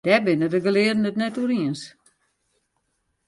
Dêr binne de gelearden it net oer iens.